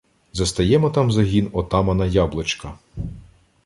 Застаємо там загін отамана Яблочка.